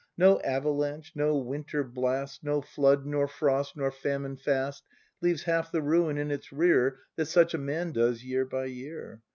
No avalanche, no winter blast. No flood, nor frost, nor famine fast Leaves half the ruin in its rear That such a man does, year by year.